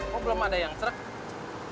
kok belum ada yang truk